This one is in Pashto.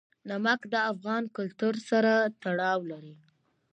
نمک د افغان کلتور سره تړاو لري.